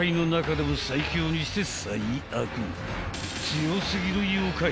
［強すぎる妖怪］